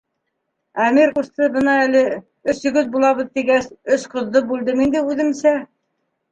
Әмир ҡусты бына әле, өс егет булабыҙ тигәс, өс ҡыҙҙы бүлдем инде үҙемсә.